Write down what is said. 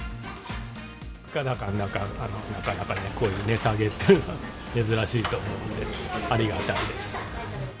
物価高の中で、こういう値下げっていうのは珍しいと思うので、ありがたいです。